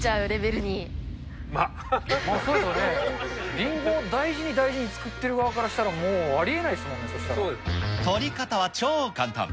りんごを大事に大事に作ってる側からしたら、もう、ありえないですもん取り方は超簡単。